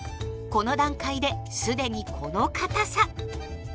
この段階で既にこのかたさ。